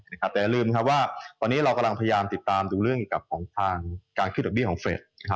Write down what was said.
แต่อย่าลืมว่าตอนนี้เรากำลังพยายามติดตามดูเรื่องของทางการขึ้นดอกเบี้ยของเฟรด